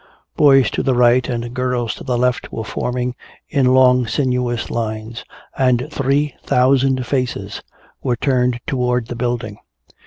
Boys to the right and girls to the left were forming in long sinuous lines, and three thousand faces were turned toward the building.